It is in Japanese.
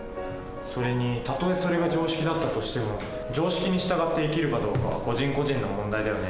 それにたとえそれが常識だったとしても常識に従って生きるかどうかは個人個人の問題だよね。